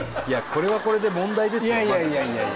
いやいやこれはこれで問題